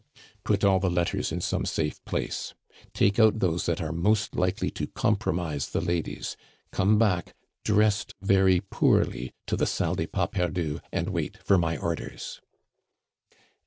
"Put all the letters in some safe place; take out those that are most likely to compromise the ladies; come back, dressed very poorly, to the Salle des Pas Perdus, and wait for my orders."